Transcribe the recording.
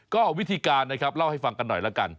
ก็วิธีการนะครับเล่าให้ฟังกันหน่อยละกัน